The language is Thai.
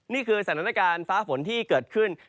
นี่คือสถานการณ์ฟ้าฝนที่เกิดขึ้น